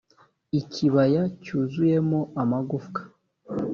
ikibaya cyuzuyemo amagufwa